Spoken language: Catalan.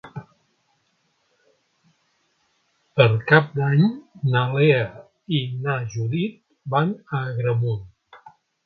Per Cap d'Any na Lea i na Judit van a Agramunt.